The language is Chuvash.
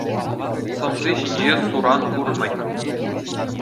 Сӑмси ҫинче суран пур-мӗн.